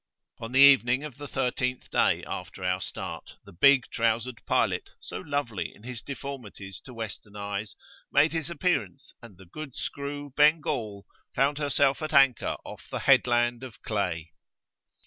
On the evening of the thirteenth day after our start, the big trowsered pilot, so lovely in his deformities to western eyes, made his appearance, and the good screw "Bengal" found herself at anchor off the Headland of Clay.